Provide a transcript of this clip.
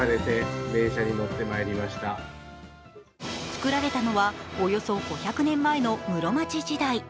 つくられたのは、およそ５００年前の室町時代。